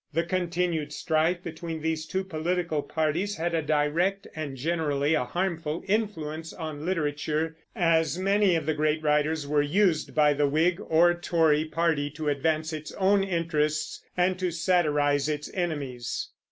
The continued strife between these two political parties had a direct (and generally a harmful) influence on literature, as many of the great writers were used by the Whig or Tory party to advance its own interests and to satirize its enemies.